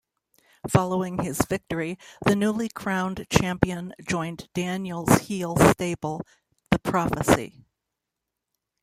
Following his victory, the newly crowned champion joined Daniels' heel stable, The Prophecy.